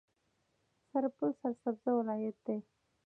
سرپل سرسبزه ولایت دی.